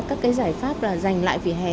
các cái giải pháp là dành lại vỉa hè